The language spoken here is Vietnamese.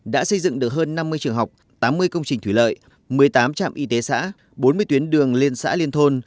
đã xây dựng được hơn năm mươi trường học tám mươi công trình thủy lợi một mươi tám trạm y tế xã bốn mươi tuyến đường liên xã liên thôn